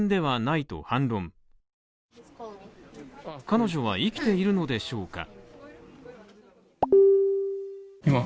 彼女は生きているのでしょうか。